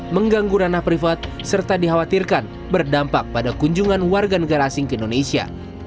mengganggu ranah privat serta dikhawatirkan berdampak pada kunjungan warga negara asing ke indonesia